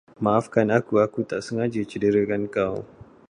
Maafkan aku, aku tak sengaja cederakan kau.